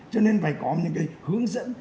cho nên phải có những cái hướng dẫn